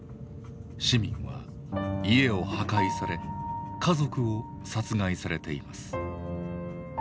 市民は家を破壊され家族を殺害されています。